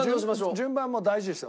順番も大事ですよ。